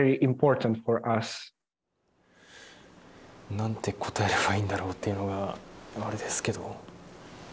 何て答えればいいんだろうっていうのがあれですけど。